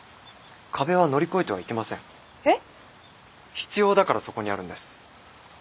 必要だからそこにあるんです。